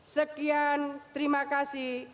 sekian terima kasih